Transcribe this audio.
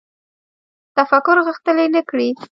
تفکر غښتلی نه کړي